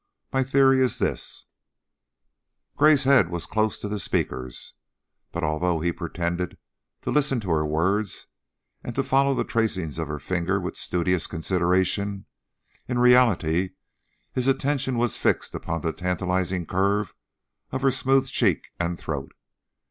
My theory is this " Gray's head was close to the speaker's, but, although he pretended to listen to her words and to follow the tracings of her finger with studious consideration, in reality his attention was fixed upon the tantalizing curve of her smooth cheek and throat.